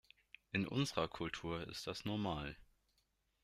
In unserer Kultur ist das normal.